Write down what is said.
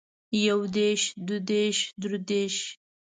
يو دېرش دوه دېرش درې دېرش